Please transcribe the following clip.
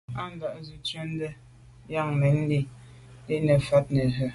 Á ndǎ’ nə̀ tswìdə̌ bwɔ́ŋkə́’ zə̄ yə̂n mɛ́n lî nâ’ fît nə̀ rə̌.